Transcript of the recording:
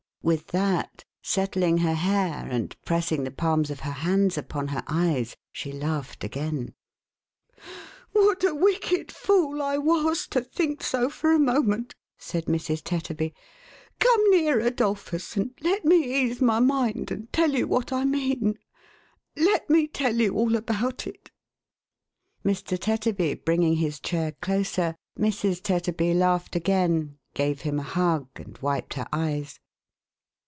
With that, settling her hair, and pressing the palms of her hands upon her eyes, she laughed again. " What a wicked fool I was, to think so for a moment !" said Mrs. Tetterby. " Come nearer, 'Dolphus, and let me ease my mind, and tell you what I mean. Let me tell you all about it." Mr. Tetterby bringing his chair closer, Mrs. Tetterby laughed again, gave him a hug, and wiped her eyes.